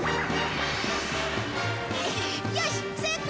よし成功！